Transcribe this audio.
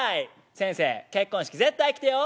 先生結婚式絶対来てよ」。